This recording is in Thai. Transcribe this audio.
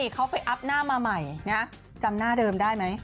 เขาไปอัพหน้ามาใหม่จำหน้าเดิมได้ไหม